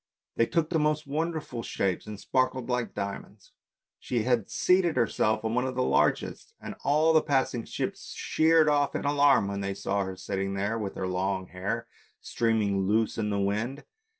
They took the most wonderful shapes, and sparkled like diamonds. She had seated herself on one of the largest, and all the passing ships sheered off in alarm when they saw her sitting there with her long hair streaming loose in the wind.